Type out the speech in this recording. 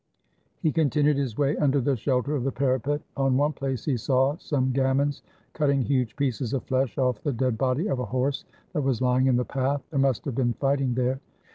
He con tinued his way under the shelter of the parapet. On one place he saw some gamins cutting huge pieces of flesh off the dead body of a horse that was lying in the path. There must have been fighting there.